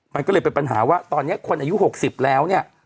มันก็เลยเป็นปัญหาว่าตอนนี้คนอายุ๖๐แล้วเนี่ย